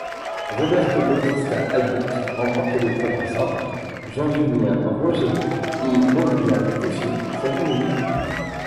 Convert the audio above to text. Roberto Bautista-Agut remporte l'épreuve en simple, Jean-Julien Rojer et Horia Tecău celle en double.